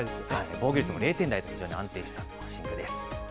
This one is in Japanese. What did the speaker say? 防御率も０点台と安定したピッチングです。